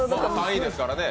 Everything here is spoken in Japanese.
３位ですからね。